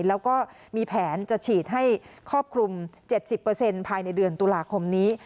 แล้วก็มีแผนจะฉีดให้ครอบคลุม๗๐ภายในเดือนตุลาคมนี้